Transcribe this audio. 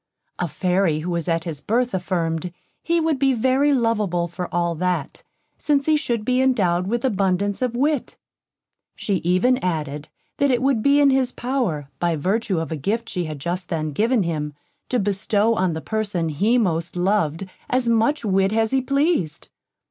A Fairy, who was at his birth, affirmed, he would be very lovable for all that, since he should be indowed with abundance of wit. She even added, that it would be in his power, by virtue of a gift she had just then given him, to bestow on the person he most loved as much wit as he pleased.